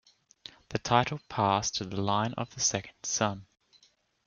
The title passed to the line of the second son.